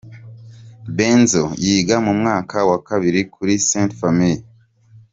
Benzo yiga mu mwaka wa kabiri kuri Saint Famille.